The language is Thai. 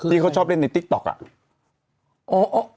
ที่เขาชอบเล่นในติ๊กต๊อกอ่ะ